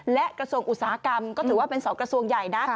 และกระทรวงอุตสาหกรรมก็ถือว่าเป็น๒กระทรวงใหญ่นะ